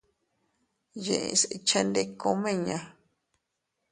Yiʼis ikchendiku miña.